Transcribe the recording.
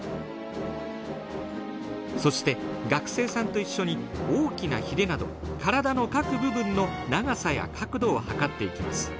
そして学生さんと一緒に大きなひれなど体の各部分の長さや角度を測っていきます。